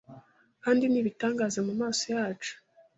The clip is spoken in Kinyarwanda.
Kandi ni ibitangaza mu maso yacu